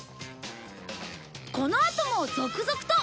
このあとも続々と！